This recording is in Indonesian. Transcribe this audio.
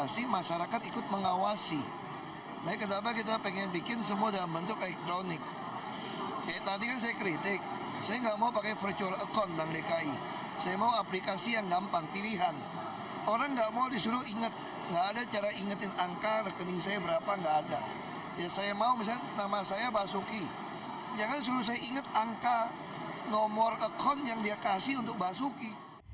saya mau misalnya nama saya basuki jangan suruh saya ingat angka nomor akun yang dia kasih untuk basuki